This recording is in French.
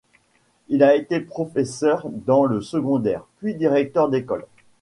Il a été professeur dans le secondaire, puis directeur d'école.